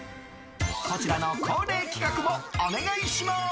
こちらの恒例企画もお願いします！